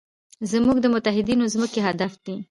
زموږ د متحدینو ځمکې هدف دی.